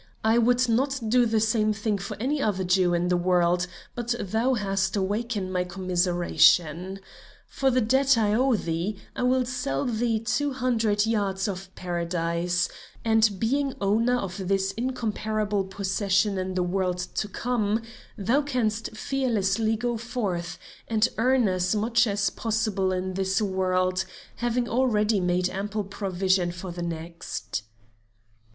I would not do the same thing for any other Jew in the world, but thou hast awakened my commiseration. For the debt I owe thee, I will sell thee two hundred yards of Paradise, and being owner of this incomparable possession in the world to come, thou canst fearlessly go forth and earn as much as possible in this world, having already made ample provision for the next."